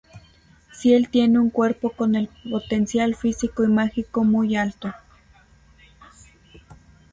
Ciel tiene un cuerpo con el potencial físico y mágico muy alto.